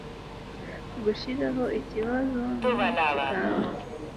gushiraho ikibazo no kuganza